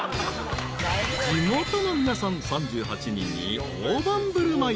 ［地元の皆さん３８人に大盤振る舞い］